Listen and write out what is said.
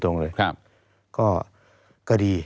ตั้งแต่ปี๒๕๓๙๒๕๔๘